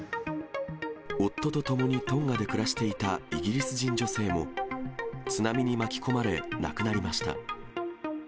夫と共にトンガで暮らしていたイギリス人女性も、津波に巻き込まれ、亡くなりました。